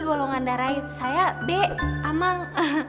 golongan darah saya b amang